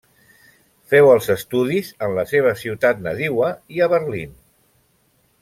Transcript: Feu els estudis en la seva ciutat nadiua i a Berlín.